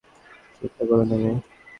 চিন্তা কোরো না মেয়ে।